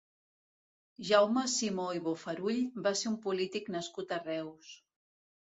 Jaume Simó i Bofarull va ser un polític nascut a Reus.